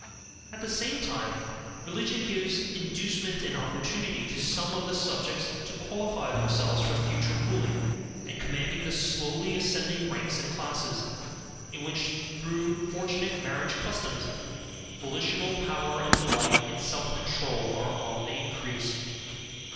At the same time religion gives inducement and opportunity to some of the subjects to qualify themselves for future ruling and commanding the slowly ascending ranks and classes, in which, through fortunate marriage customs, volitional power and delight in self control are on the increase.